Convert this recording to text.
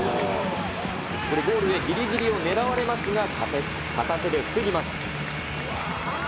これ、ゴールへぎりぎりを狙われますが、片手で防ぎきります。